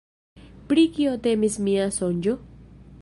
Pri kio temis mia sonĝo?